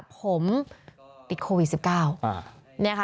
ผมติดโควิด๑๙